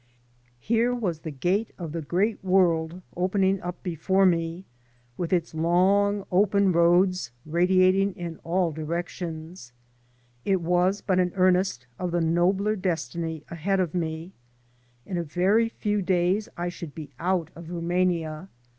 Here was the gate of the great world opening up before me, with its long open roads radiating in all directions. It was but an earnest of the nobler destiny ahead of me. In a very 5 65 AN AMERICAN IN THE MAKING few days I should be out of Rumania.